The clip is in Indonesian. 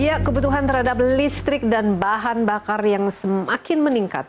ya kebutuhan terhadap listrik dan bahan bakar yang semakin meningkat